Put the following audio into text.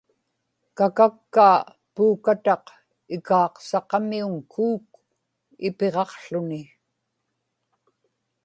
kakakkaa puukataq ikaaqsaqamiuŋ kuuk ipiġaqłuni